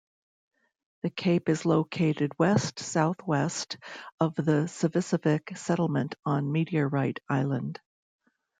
The cape is located west-south-west of the Savissivik settlement on Meteorite Island.